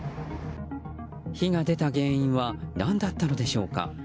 火が出た原因は何だったのでしょうか？